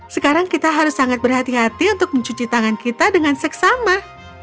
sekarang kita harus sangat berhati hati untuk mencuci tangan kita dengan seksama